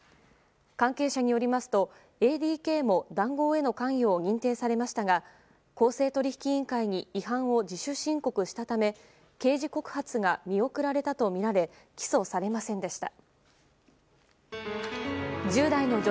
関係者によりますとＡＤＫも談合への関与を認定されましたが公正取引委員会に違反を自主申告したため刑事告発が見送られたとみられ起訴されませんでした。